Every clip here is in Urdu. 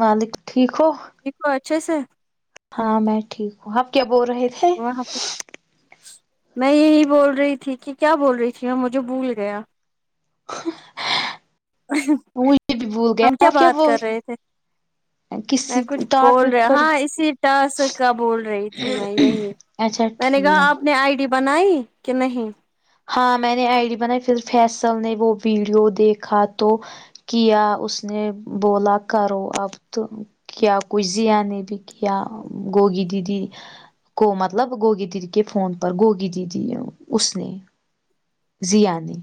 وعلیکم ٹھیک ہو لکھلو اچھے سے ہاں میں ٹھیک ہوں آپ کیا بول رہے تھے وہ ہم کچھ میں یہی بول رہی تھی کہ کیا بول رہی تھی وہ مجھے بھول گیا [unintelligible] مجھے بھی بھول گیا ہم کیا آپ بات بول کر رہے تھے میں کسی کچھ بول ٹاپک رہا پر ہاں اسی ٹاسک کا بول رہی تھی میں یہی اچھا میں نے ٹھیک کہا آپ نے آئی ڈی بنائی کہ نہیں ہاں میں نے آئی ڈی بنائی پھر فیصل نے وہ ویڈیو دیکھا تو کیا اس نے بولا کرو اب تم کیا کچھ زیا نے بھی کیا گوگی دیدی کو مطلب گوگی دیدی کے فون پر گوگی دیدی ہے وہ اس نے ضیا نے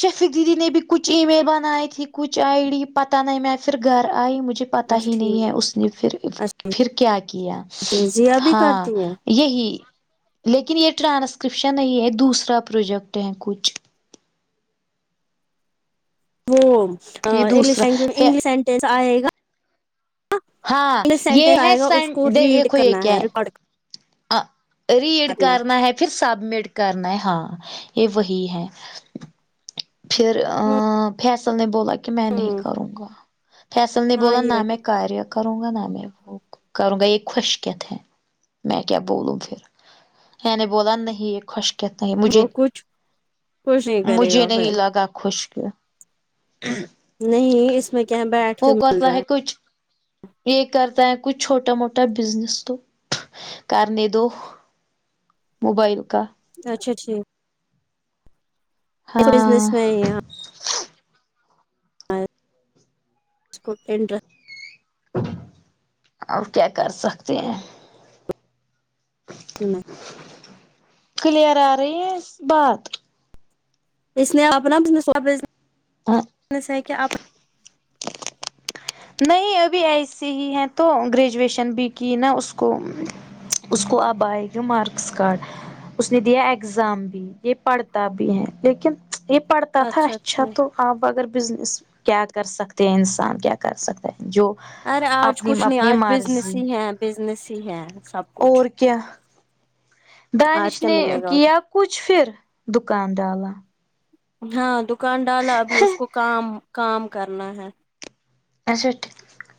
شفیق دیدی نے بھی کچھ ای میل بنائی تھی کچھ آئی ڈی پتہ نہیں میں پھر گھر آئی مجھے پتہ ہی اچھا نہیں ٹھیک ہے اس نے پھر پھر کیا کیا اچھا ضیا بھی ہاں کرتی ہیں یہی لیکن یہ ٹرانسکرپشن نہیں ہے دوسرا پروجیکٹ ہے کچھ وہ یہ انگلش دوسرا لینگو پھر انگلش سینٹنس آئے گا ہاں انگلش یہ سینٹنس ہے آئے گا اس سن کو ریڈ کرنا ہے ریکارڈ ا ریڈ کرنا ہے پھر سبمٹ کرنا ہے ہاں یہ وہی ہے پھر آ فیصل نے بولا کہ میں نہیں ہوں کروں گا فیصل نے ہاں بولا نہ یہ میں کاریا کروں گا نا میں وہ کروں گا یہ خشک کھیت ہے میں کیا بولوں پھر میں نے بولا نہیں یہ خشک کہتے ہیں مجھے وہ کچھ کچھ نہیں کرے مجھے گا نہیں پھر لگا خشک [inaudible] نہیں اس میں کیا ہے بیٹھ کے وہ بول کرتا رہا ہے کچھ یہ کرتا ہے کچھ چھوٹا موٹا بزنس تو کرنے دو موبائل کا اچھا ٹھیک ہاں بزنس میں یہاں [unintelligible] اب کیا کر سکتے ہیں ہوں نہ کلیئیر آ رہی ہے بات اس نے اپنا بزنس [unintelligible] آپ نہیں ابھی ایسے ہی ہیں تو گریجویشن بھی کی نا اس کو اس کو اب آئے گا مارکس کارڈ اس نے دیا ایگزام بھی یہ پڑھتا بھی ہے لیکن یہ پڑھ تاتھا اچھا تو آپ اگر بزنس کیا کر سکتے ہیں انسان کیا کر سکتا ہے جو ارے آج اپنی کچھ نہیں اپنی آج مرضی بزنس ہی ہے بزنس ہی ہے سب کچھ اور کیا دانش آج کیا نے ملے گا کیا ادھر؟ کچھ پھر دکان ڈالا ہاں دکان ڈالا ابھی اس کو کام کام کرنا ہے اچھا ٹ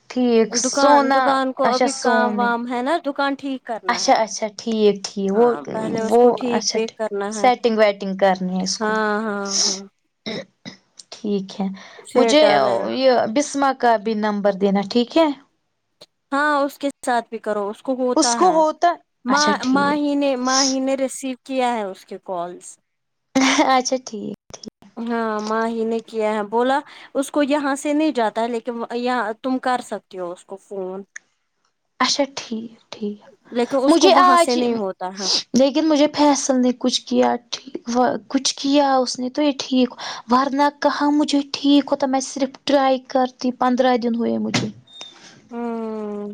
ٹھیک سو دکان نہ دکان کو اچھا ابھی سو کام نئی وام ہے نا دکان ٹھیک کرنا اچھا ہے اچھا ٹھیک ٹھیک وہ ہاں پہلے اس وہ کو اچھا ویک ٹھیک کرنا ہے سٹ ینگ واٹینگ کرنی ہے اس کو ہاں ہاں ہاں ٹھیک ہے پھر مجھے ا ڈالے گا یہ بیس مارک کا بھی نمبر دینا ٹھیک ہے ہاں اس کے ساتھ بھی کرو اس کو اس ہوتا کو ہے ہوتا ما اچھا ماہی ٹھیک نے ماہی نے رسیو کیا ہے اس کے کالس اچھا ٹھیک ہاں ماہی نے کیا ہے بولا اس کو یہاں سے نہیں جاتا ہے لیکن وا یہاں تم کر سکتی ہو اس کو فون اچھا ٹھیک ٹھیک لیکن اس کو مجھے وہاں سے آج ہی نہیں ہوتا ہے لیکن مجھے فیصل نے کچھ کیا ٹھیک و کچھ کیا اس نے تو یہ ٹھیک ورنہ کہاں مجھے ٹھیک ہوتا تھا میں صرف ٹرائی کرتی پندرہ دن ہوے مجھے ہوں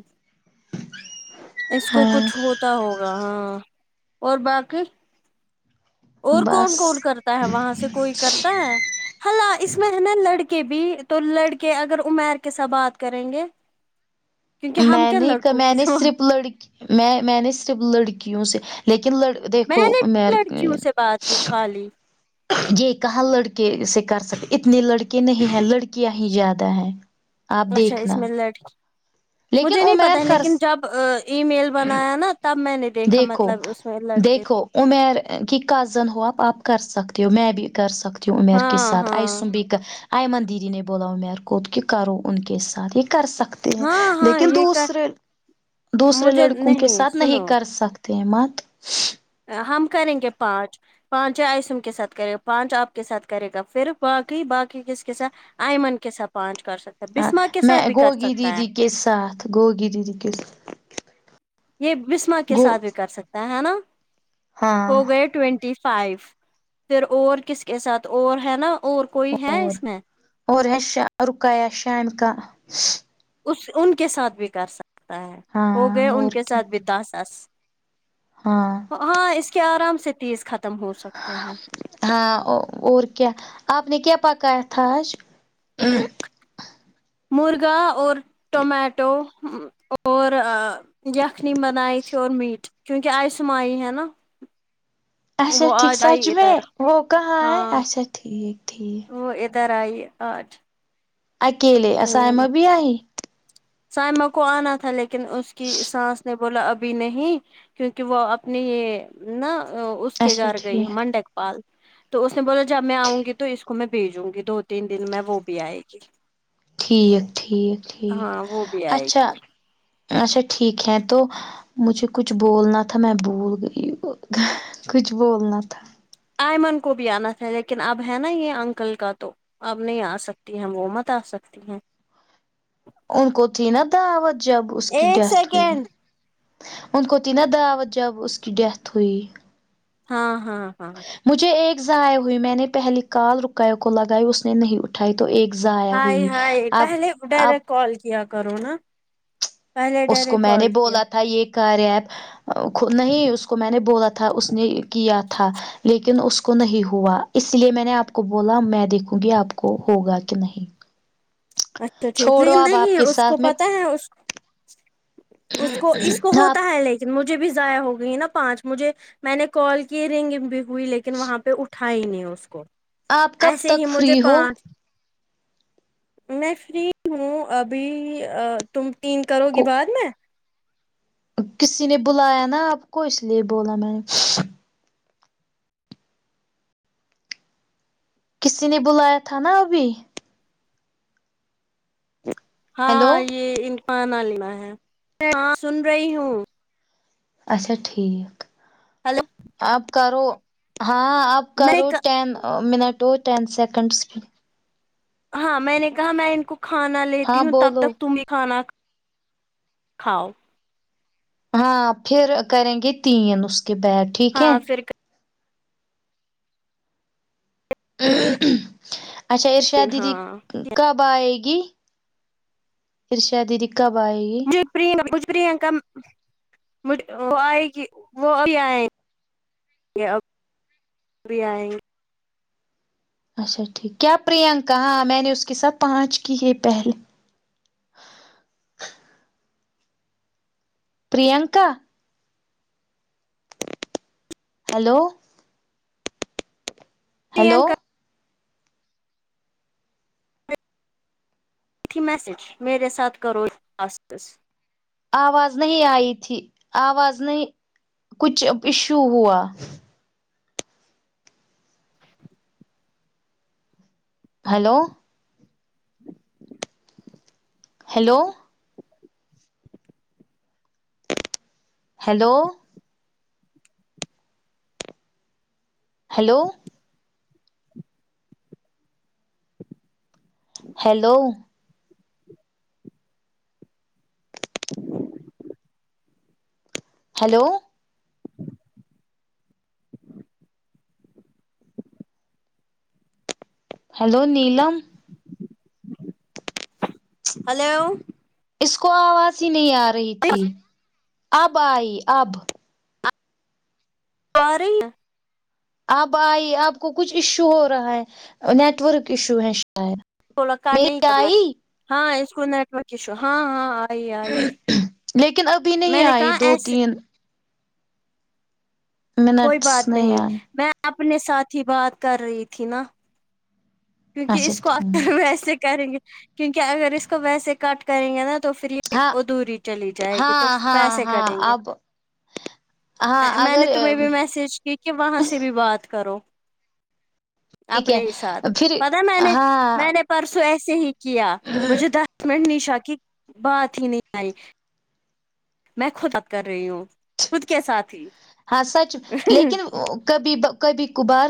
اس کو ہاں کچھ ہوتا ہو کہاں اور باقی اور کون بس کون کرتا ہے وہاں سے کوئی کرتا ہے ہے نہ اس میں ہے نا لڑکے بھی تو لڑکے اگر عمیر کے سا بات کریں گے کیونکہ ہم میں کیا نے ک لڑکوں میں کے نے ساتھ صرف لڑکی میں میں نے صرف لڑکیوں سے لیکن لڑ میں دیکھو نے میں لڑکیوں سے بات کی خالی یہ کہاں لڑکے سے کر سکتے اتنے لڑکے نہیں ہیں لڑکیاں ہی زیادہ ہیں آپ اچھا اس دیکھنا میں لڑکی لیکن مجھے نہیں پتا ہے عمیر کر لیکن جب ا ای میل بنایا نا تب میں نے دیکھا دیکھو مطلب اس میں لڑکے دیکھو عمیر کی کزن ہو آپ آپ کر سکتی ہو میں بھی کر سکتی ہوں عمیر کے ہاں ساتھ ہاں اس میں بھی آئمن دیدی نے بولا عمیر کو کہ کرو ان کے ساتھ ایک کر سکتے ہیں ہاں ہاں لیکن یہ کر دوسرے دوسرے مجھے لڑکوں کے ساتھ نہیں سنو سختی مت ہم کریں گے پانچ پانچ آئسم کے ساتھ کرے گا پانچ آپ کے ساتھ کرے گا پھر باقی باقی کس کے ساتھ آئمن کے ساتھ پانچ کر سکتے میں گوگی دیدی کے ساتھ گوگی دیدی کےسا یہ بسما کے ساتھ بھی کر سکتا ہے ہے نا ہاں ہو گئے ٹوینٹی فائیف پھر اور کس کے ساتھ اور ہے نا اور کوئی ہے اور اس میں اور ہے شاہ رخ آیا شام کا اس ان کے ساتھ بھی کر سکتا ہے ہو ہاں گیا ان اور کے کیا ساتھ بھی دس اس ہاں ہاں اس کے آرام سے تیس ختم ہو سکتے ہیں ہاں او اور کیا آپ نے کیا پکایا تھا آج مرغا اور ٹومیٹو اور یخنی بنائی تھی اور میٹ کیونکہ آئے سمائی ہے نا اچھا وہ ٹھیک آج سچ آئی میں ادھر وہک آ اچھا ٹھیک ٹھیک درائی آج اکیلے اسام ہ بھی ائی سائمہ کو آنا تھا لیکن اس کی سانس نے بولا ابھی نہیں کیونکہ وہ اپنی یہ نا اس کے اچھا گھر گئی ٹھیک منڈک پال تو اس نے بولا جب میں آؤں گی تو اس کو میں بھیجوں گی دو تین دن میں وہ بھی آئے گی ٹھیک ٹھیک ٹھیک ہاں وہ بھی آئے اچھا گی اچھا ٹھیک ہے تو مجھے کچھ بولنا تھا میں بھول گئی کچھ بولنا تھا ایئمن کو بھی آنا تھا لیکن اب ہے نا یہ انکل کا تو اب نہیں آ سکتی ہم وہ مت آ سکتی ہیں ان کو تھی نا دعوت جب اس کی ایک ڈیتھ ہوئی سیکنڈ ون کوتھی نا دعوت جب اس کی ڈیت ہوئی ہاں ہاں ہاں مجھے ایک ضائع ہوئی میں نے پہلی کال کے کو لگائی اس نے نہیں اٹھھی اٹھائی تو ایک ضایا ہائے ہوئی ہائے آپ پہلے آپ ڈائریکٹ کال کیا کرو نا پہلے اس ڈر کو میں نے کال کیا بولا تھا یہ کار ایپ نہیں اس کو میں نے بولا تھا اس نے کیا تھا لیکن اس کو نہیں ہوا اس لیے میں نے آپ کو بولا میں دیکھوں گی آپ کو ہوگا کہ نہیں اچھا ٹھیک چھوڑو لیکن اب آپ نہیں کے اس کو ساتھ میں پتہ ہے اس اس کو اس کو آپ ہوتا ہے لائک مجھے بھی ضائع ہو گئی نا پانچ مجھے میں نے کال کی رنگ بھی ہوئی لیکن وہاں پہ اٹھا تھا ہی نہیں اس کو آپ کب ایسے ہی تک مجھے فری ہو پانچ میں فری ہوں ابھی تم تین کرو گی کو بعد میں کسی نے بلایا نا آپ کو اس لیے بولا میں نے کسی نے بلایا تھا نا ابھی ہیلو ہاں یہ انکان لینا ہے ہاں سن رہی ہوں اچھا ٹھیک ہلو آپ کرو ہاں آپ میں کرو ٹین منٹو اور ٹن سیکنڈس کی ہاں میں نے کہا میں ان کو کھانا ہاں لیتی ہوں تب بولو تک تمیں کھانا کاؤ ہاں پھر کریں گے تین اس کے بیگ ہاں پھر ک اچھا ارشا دیدی ہاں کب آئے گی ارشا دیدی کب آۓ گی [unintelligible] یہ اب بھی آئیں گے اچھا ٹھیک کیا پرینکا ہاں میں نے اس کے ساتھ پانچ کی ہے پہلے پرینکا ہیلو ہیلو پرینکا تھی میسج میرے ساتھ کرو [unintelligible] س آواز نہیں آئی تھی آواز نہیں کچھ ایشو ہوا hello hello hello hello hello hello hello Neelam hello اس کو آواز ہی نہیں آ رہی تھی اب آئی اب سوری آپ آئی آپ کو کچھ ایشو ہو رہا ہے نیٹورک ایشو ہے شاید بولا کٹ نہیں میری کرنا ہے آئی ہاں اسکو نیٹ ورک اشو ہاں ہاں آئی آئی لیکن ابھی میں نہیں نے آئی کہاں دو ایسے تین کوئی منٹس بات نہیں آئے میں اپنے ساتھ ہی بات کر رہی تھی نا کیونکہ اچھا اس کو ٹھیک اکثر ویسے کریں گے کیونکہ اگر اس کو ویسے کٹ کریں گے نا تو فر یہ کہ ہاں ادھوری چلی جائے گی تو ہاں ہاں پیسے ہاں کٹیں گے اب ہاں میں نے اگر تمہیں بھی میسج کی کہ وہاں سے بھی بات کرو ٹھیک اپنے ہے ہی ساتھ پھر پتا میں نے ہاں میں نے پرسوں ایسے ہی کیا مجھے دس منٹ نشا کی بات ہی نہیں آئی میں خود اب کر رہی ہوں خود کے ساتھ ہی ہاں سچ لیکن کبھی کبھی کبھار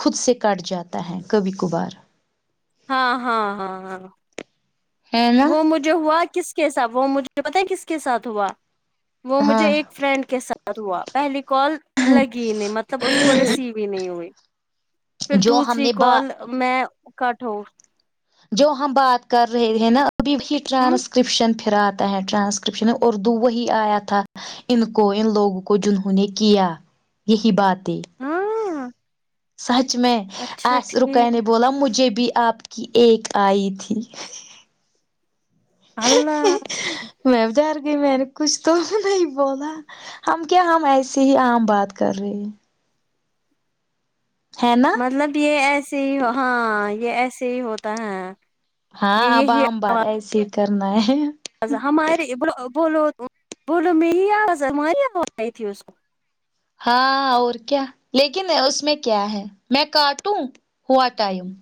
خود سے کٹ جاتا ہے کبھی کبھار ہاں ہاں ہاں ہاں ہے نا وہ مجھے ہوا کس کے ساتھ وہ مجھے پتا ہے کس کے ساتھ ہوا وہ مجھے ہاں ایک فرینڈ کے ساتھ ہوا پہلی کال لگی نہیں مطلب اس کو رسیو ہی نہیں ہوئی پھر جو ہم دوسری نے با کال میں کٹ ہو جو ہم بات کر رہے نا ابھی بھی ہ ٹرانسکرپشن پھر پھر آتا ہے ٹرانسکرپشن اردو وہی آیا تھا ان کو ان لوگوں کو جنہوں نے کیا یہی بات ہاں سچ میں اچھا آس رکے ٹھیک نے بولا مجھے بھی آپ کی ایک آئی تھی اللہ میں ڈر گئی میں نے کچھ تو نہیں بولا ہم کیا ہم ایسی ہی عام بات کر رہے ہیں ہے نا مطلب یہ ایسے ہی ہاں یہ ایسے ہی ہوتا ہے ہاں یہ اب یہی عام بات ایسے ہی کرنا ہے ہمارے بولو بولو میں [unintelligible] یہزار و آئی تھی اس کو ہاں اور کیا لیکن اس میں کیا ہے میں کاٹوں ہوا ٹائم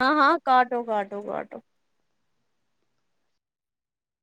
ہاں ہاں کاٹو کاٹو کاٹو